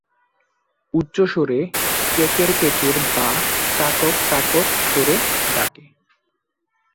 উচ্চ স্বরে 'কেকের-কেকের' বা 'কাকাক-কাকাক' স্বরে ডাকে।